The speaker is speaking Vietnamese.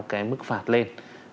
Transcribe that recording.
cái mức phạt lên